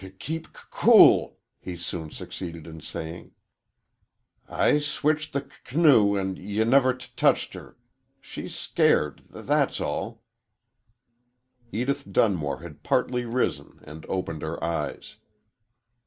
"K keep c cool," he soon succeeded in saying. "I switched the canoe an' ye n never t touched her. She's scairt th that's all." Edith Dunmore had partly risen and opened her eyes.